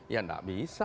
ya tidak bisa